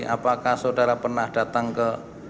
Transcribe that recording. apakah saudara pernah datang ke